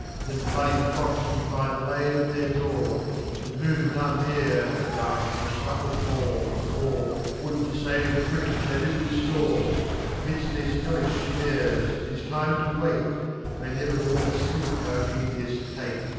Then Bloody Plots we find laid at their door, Than whom none eVe have done or fuffered more ( Or, would to fave the Prince they' drd reflore. Amidft thefehelliih Snares, 'tis time to wake; May never more a deep our Genrus take.